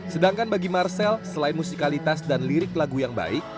sedangkan bagi marcel selain musikalitas dan lirik lagu yang baik